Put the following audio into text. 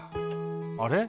あれ？